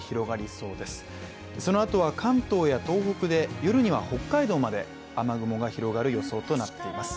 そのあとは関東や東北で、夜には北海道まで雨雲が広がる予想となっています。